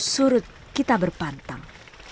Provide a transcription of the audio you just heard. surut kita berpantang